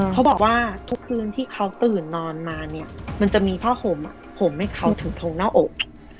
เขาบอกว่าทุกคืนที่เขาตื่นนอนมาเนี่ยมันจะมีผ้าห่มห่มให้เขาถึงทงหน้าอก